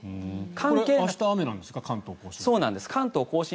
これ明日雨なんですか関東・甲信？